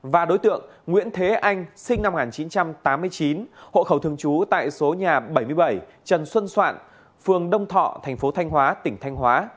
và đối tượng nguyễn thế anh sinh năm một nghìn chín trăm tám mươi chín hộ khẩu thường trú tại số nhà bảy mươi bảy trần xuân soạn phường đông thọ thành phố thanh hóa tỉnh thanh hóa